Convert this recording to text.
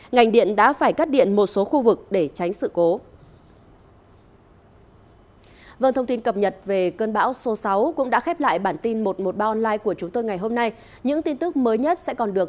ngành điện đã phải cắt điện một số khu vực để tránh sự cố